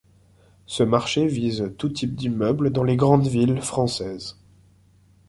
Ce marché vise tout type d'immeubles dans les grandes villes françaises.